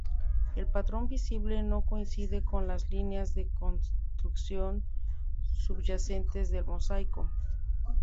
El patrón visible no coincide con las líneas de construcción subyacentes del mosaico.